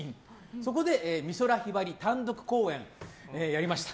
そこで美空ひばり単独公演やりました。